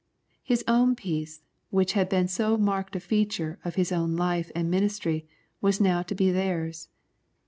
His own peace, which had been so marked a feature of His own life and ministry, was now to be theirs.